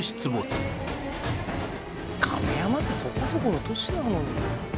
亀山ってそこそこの都市なのに。